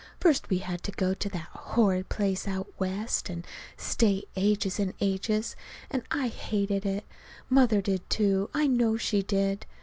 First we had to go to that horrid place out West, and stay ages and ages. And I hated it. Mother did, too. I know she did.